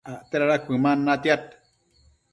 acte dada cuëman natiad